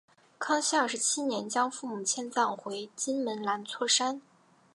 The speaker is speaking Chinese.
康熙二十七年将父母迁葬回金门兰厝山。